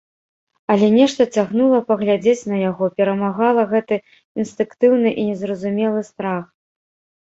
Але нешта цягнула паглядзець на яго, перамагала гэты інстынктыўны і незразумелы страх.